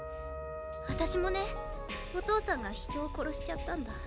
私もねお父さんが人を殺しちゃったんだ。